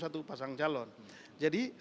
satu pasang calon jadi